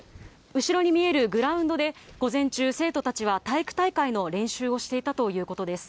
後ろに見えるグラウンドで、午前中、生徒たちは体育大会の練習をしていたということです。